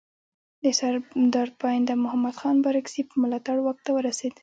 د سردار پاینده محمد خان بارکزي په ملاتړ واک ته ورسېد.